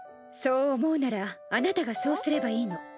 そう思うならあなたがそうすればいいの。